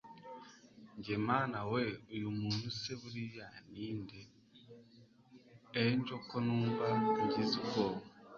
Njye Mana weee uyu muntu se buriya ni nde Angel ko numva ngize ubwoba